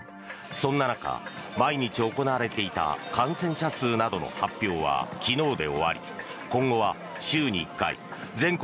そんな中、毎日行われていた感染者数などの発表は昨日で終わり今後は週に１回全国